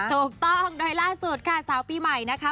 ถูกต้องโดยล่าสุดค่ะสาวปีใหม่นะคะ